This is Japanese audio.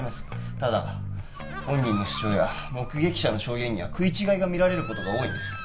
ただ本人の主張や目撃者の証言には食い違いが見られることが多いんです